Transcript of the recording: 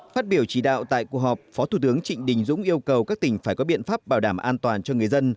phát biểu chỉ đạo tại cuộc họp phó thủ tướng trịnh đình dũng yêu cầu các tỉnh phải có biện pháp bảo đảm an toàn cho người dân